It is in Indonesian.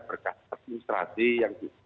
berkat administrasi yang